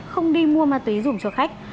không đi mua ma túy dùng cho khách